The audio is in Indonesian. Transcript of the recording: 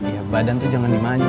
ya badan tuh jangan dimanja